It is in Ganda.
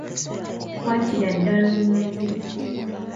Kwatira ddala onyweze